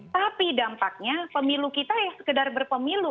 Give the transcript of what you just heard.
tapi dampaknya pemilu kita ya sekedar berpemilu